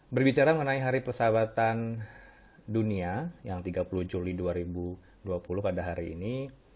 berbicara mengenai hari persahabatan dunia yang tiga puluh juli dua ribu dua puluh pada hari ini